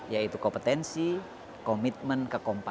yaitu kompetensi komitmen kekompakan